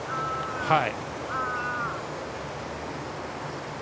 はい。